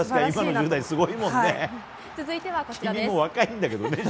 続いてはこちらです。